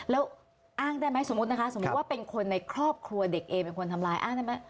แล้วอ้างได้ไหมสมมุตินะคะสมมุติว่าเป็นคนในครอบครัวเด็กเองเป็นคนทำลายอ้างได้ไหม